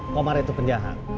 komar itu penjahat